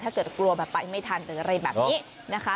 กลัวแบบไปไม่ทันหรืออะไรแบบนี้นะคะ